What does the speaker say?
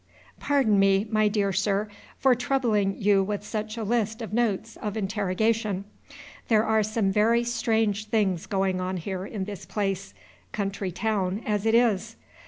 Pardon me, my dear Sir, for troubling you with such a list of notes of interrogation. There are some very strange things going on here in this place, country town as it is.